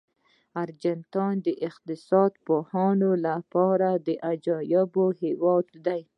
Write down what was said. ارجنټاین د اقتصاد پوهانو لپاره د عجایبو هېواد دی.